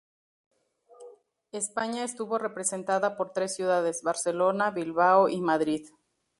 España estuvo representada por tres ciudades: Barcelona, Bilbao y Madrid.